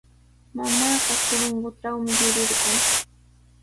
Mamaaqa Corongotrawmi yurirqan.